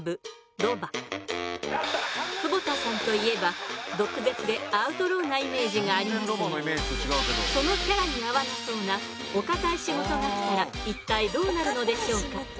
久保田さんといえば毒舌でアウトローなイメージがありますがそのキャラに合わなそうなお堅い仕事がきたら一体どうなるのでしょうか？